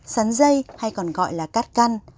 sắn dây hay còn gọi là cắt căn